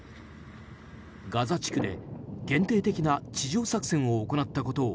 ガザ地区で限定的な地上侵攻を行ったことを